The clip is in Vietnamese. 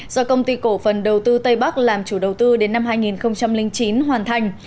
do công ty cổ phần đầu tư tây bắc làm chủ đầu tư đến năm hai nghìn chín hoàn thành